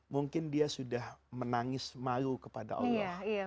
mungkin dia sudah menangis malu kepada allah